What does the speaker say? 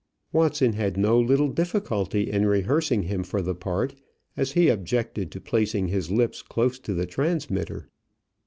Watson had no little difficulty in rehearsing him for the part, as he objected to placing his lips close to the transmitter.